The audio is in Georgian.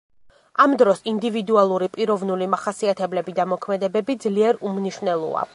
ამ დროს ინდივიდუალური პიროვნული მახასიათებლები და მოქმედებები ძლიერ უმნიშვნელოა.